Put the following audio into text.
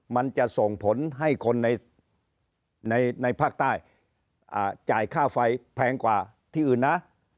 มันจะส่งผลให้คนในภาคใต้จ่ายค่าไฟแพงกว่าที่อื่นนะ